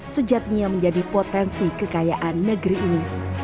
sejatinya menjadi potensi kekayaan negeri ini